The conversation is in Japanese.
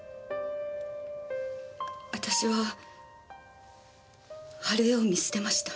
私は春枝を見捨てました。